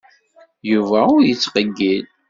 Yuba ur yettqeyyil.